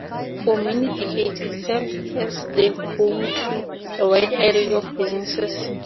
For many decades it served as the home to a wide array of businesses.